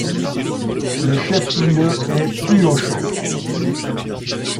Le chef-lieu est Puaucho.